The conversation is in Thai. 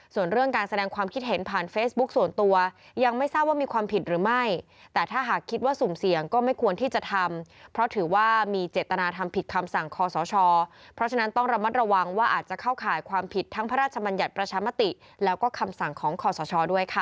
ส่วนเรื่องการแสดงความคิดเห็นผ่านเฟซบุ๊คส่วนตัวยังไม่ทราบว่ามีความผิดหรือไม่แต่ถ้าหากคิดว่าสุ่มเสี่ยงก็ไม่ควรที่จะทำเพราะถือว่ามีเจตนาทำผิดคำสั่งคอสชเพราะฉะนั้นต้องระมัดระวังว่าอาจจะเข้าข่ายความผิดทั้งพระราชมัญญัติประชามติแล้วก็คำสั่งของคอสชด้วยค่ะ